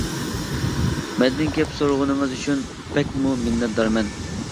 مەندىن گەپ سورىغىنىڭىز ئۈچۈن بەكمۇ مىننەتدارمەن.